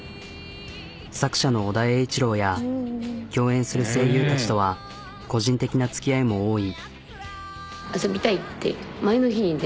作者の尾田栄一郎や共演する声優たちとは個人的なつきあいも多い。